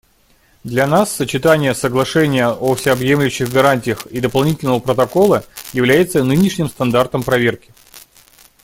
Для нас сочетание Соглашения о всеобъемлющих гарантиях и Дополнительного протокола является нынешним стандартом проверки.